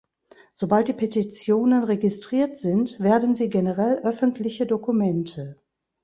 Sobald die Petitionen registriert sind, werden sie generell öffentliche Dokumente.